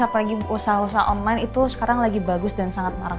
apalagi usaha usaha online itu sekarang lagi bagus dan sangat marak